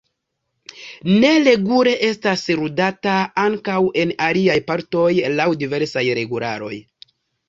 Neregule estas ludata ankaŭ en aliaj partoj laŭ diversaj regularoj.